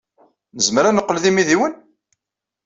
Nezmer ad neqqel d imidiwen?